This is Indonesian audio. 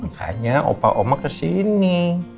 makanya opa oma kesini